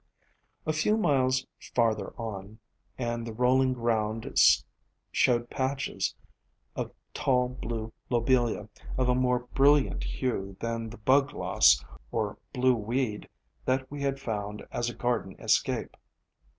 A few miles farther on, and the rolling ground showed patches of tall Blue Lobelia of a more brilliant hue than the Bugloss or Blue Weed that we had found as a garden escape.